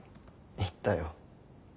言ったよ。